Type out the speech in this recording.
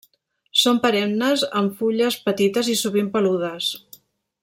Són perennes, amb fulles petites i sovint peludes.